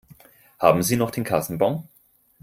Haben Sie noch den Kassenbon?